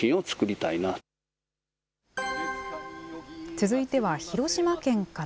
続いては広島県から。